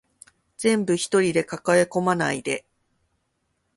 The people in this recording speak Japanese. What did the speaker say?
全部一人で抱え込まないで